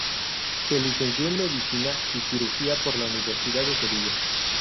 Se licenció en Medicina y Cirugía por la Universidad de Sevilla.